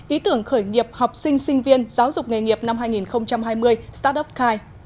ý tưởng khởi nghiệp học sinh sinh viên giáo dục nghề nghiệp năm hai nghìn hai mươi startupkai